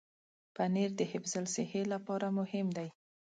پنېر د حفظ الصحې لپاره مهم دی.